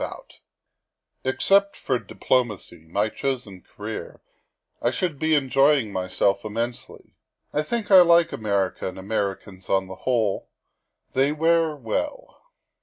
THE SECRETARY OF STATE 139 "Except for diplomacy (my chosen career) I should be enjoy ing myself immensely. I think I like America and Americans, on the whole; they wear well.